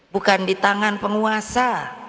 bukan di tangan penguasa